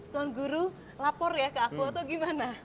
tuan guru lapor ya ke aku atau gimana